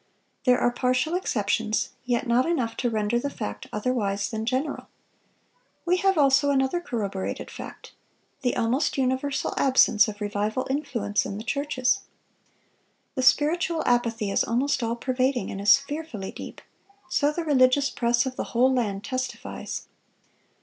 There are partial exceptions, yet not enough to render the fact otherwise than general. We have also another corroborated fact: the almost universal absence of revival influence in the churches. The spiritual apathy is almost all pervading, and is fearfully deep; so the religious press of the whole land testifies....